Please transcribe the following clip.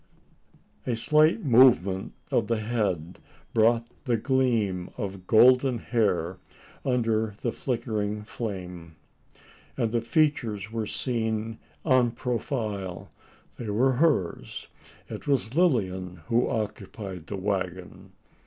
A slight movement of the head brought the gleam of golden hair under the flickering flame; and the features were seen en profile. They were hers. It was Lilian who occupied the waggon.